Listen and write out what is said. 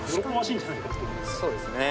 そうですね。